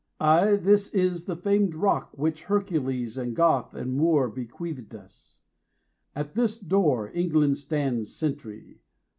Ay, this is the famed rock which Hercules And Goth and Moor bequeathed us. At this door England stands sentry.